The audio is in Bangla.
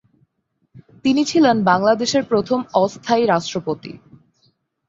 তিনি ছিলেন বাংলাদেশের প্রথম অস্থায়ী রাষ্ট্রপতি।